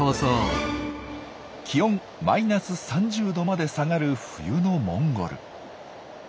気温マイナス３０度まで下がる冬のモンゴル。